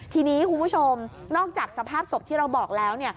ทีนี้คุณผู้ชมนอกจากสภาพศพที่เราบอกแล้ว